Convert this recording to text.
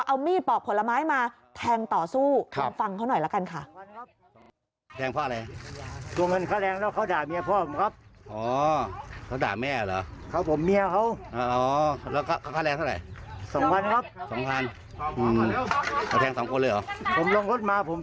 เอามีดปอกผลไม้มาแทงต่อสู้ลองฟังเขาหน่อยละกันค่ะ